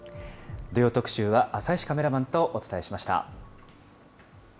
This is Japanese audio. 土曜特集は、浅石カメラマンとお伝えしました。